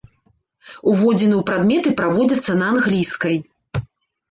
Уводзіны ў прадметы праводзяцца на англійскай.